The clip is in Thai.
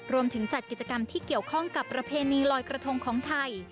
จัดกิจกรรมที่เกี่ยวข้องกับประเพณีลอยกระทงของไทย